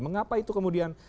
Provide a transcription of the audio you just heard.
mengapa itu kemudian